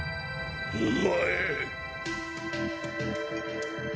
お前！